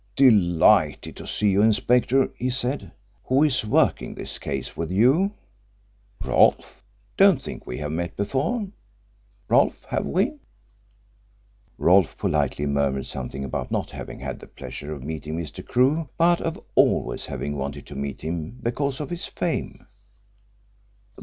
"Delighted to see you, Inspector," he said. "Who is working this case with you? Rolfe? Don't think we have met before, Rolfe, have we?" Rolfe politely murmured something about not having had the pleasure of meeting Mr. Crewe, but of always having wanted to meet him, because of his fame.